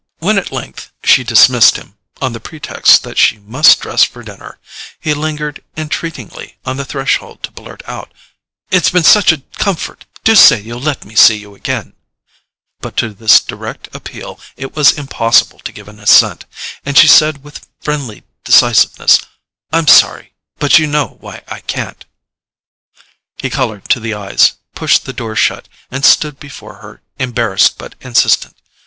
When at length she dismissed him, on the pretext that she must dress for dinner, he lingered entreatingly on the threshold to blurt out: "It's been such a comfort—do say you'll let me see you again—" But to this direct appeal it was impossible to give an assent; and she said with friendly decisiveness: "I'm sorry—but you know why I can't." He coloured to the eyes, pushed the door shut, and stood before her embarrassed but insistent.